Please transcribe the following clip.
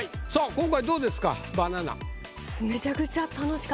今回どうですか？